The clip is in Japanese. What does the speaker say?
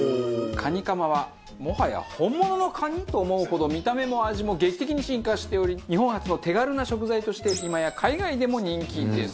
カニカマはもはや本物のカニ？と思うほど見た目も味も劇的に進化しており日本発の手軽な食材として今や海外でも人気です。